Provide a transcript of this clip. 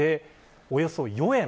およそ４円